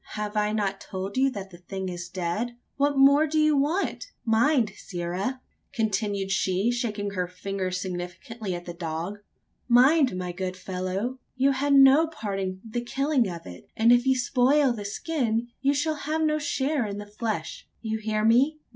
Have I not told you that the thing is dead what more do you want? Mind, sirrah!" continued she, shaking her finger significantly at the dog "mind, my good fellow! you had no part in the killing of it; and if you spoil the skin, you shall have no share in the flesh. You hear me?